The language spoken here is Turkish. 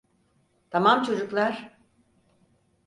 Tamam çocuklar.